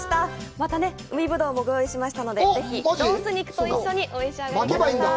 また海ぶどうもご用意しましたので、ぜひロース肉と一緒にお召し上がりください。